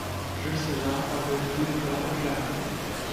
Jules César a possédé une garde germaine.